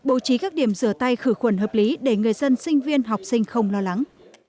bộ trí các điểm rửa tay khử khuẩn hợp lý để người dân sinh viên học sinh không lo lắng